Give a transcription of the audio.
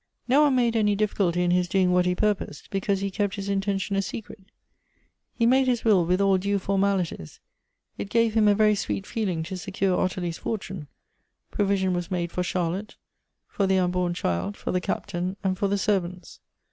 No one made any difficulty in his doing what he pur posed — because he kept his intention a secret. He made his will with all due formalities. It gave him a very sweet feeling to secure Ottilie's fortune — provision was made for Charlotte, for the unborn child, for the Captain, and for the servants.